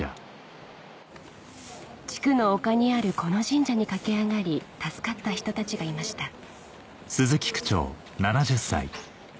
地区の丘にあるこの神社に駆け上がり助かった人たちがいましたハハハ。